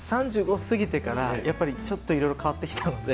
３５過ぎてから、やっぱりちょっといろいろ変わってきたので。